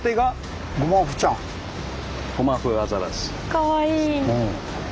かわいい。